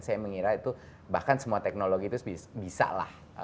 saya mengira itu bahkan semua teknologi itu bisa lah